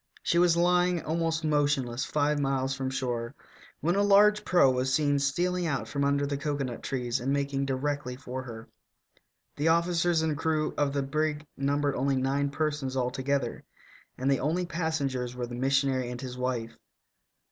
She was lying almost motionless five miles from shore when a large proa was seen stealing out from under the cocoanut trees and making directly for 262 THE TALKING HANDKERCHIEF. her. The officers and crew of the brig numbered only nine persons altogether, and the only pas sengers were the missionary and his wife.